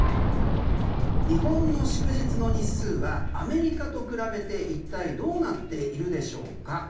日本の祝日の日数はアメリカと比べて一体どうなっているでしょうか？